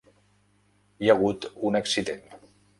Hi ha hagut un accident.